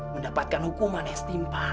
mendapatkan hukuman yang setimpal